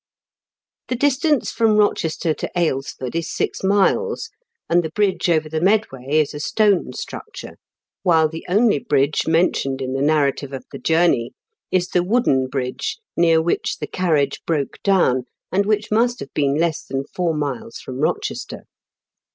The distance from Eochester to Aylesford is six miles, and the bridge over the Medway is a stone structure ; while the only bridge mentioned in the narrative of the journey is the wooden bridge near which the carriage broke down, and which must have been less than four miles from Eochester.